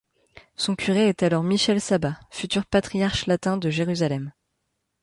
Son curé est alors Michel Sabbah, futur Patriarche latin de Jérusalem.